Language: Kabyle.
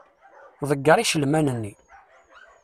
Ḍegger icelman-nni.